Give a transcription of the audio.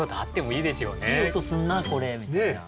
「いい音すんなこれ」みたいな。